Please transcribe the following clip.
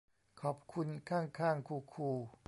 ขอบคุณข้างข้างคูคู